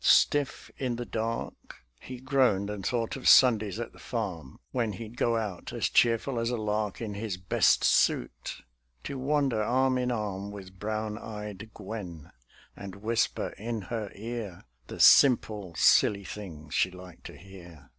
Stiff in the dark He groaned and thought of Sundays at the farm, When he'd go out as cheerful as a lark In his best suit to wander arm in arm With brown eyed Gwen, and whisper in her ear The simple, silly things she liked to hear.